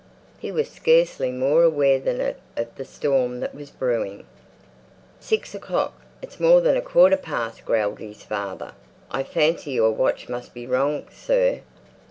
He was scarcely more unaware than it of the storm that was brewing. "Six o'clock! It's more than a quarter past," growled out his father. "I fancy your watch must be wrong, sir.